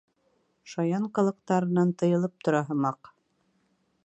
Шаян ҡылыҡтарынан тыйылып тора һымаҡ.